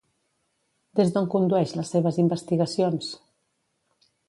Des d'on condueix les seves investigacions?